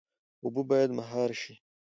اوبه باید مهار شي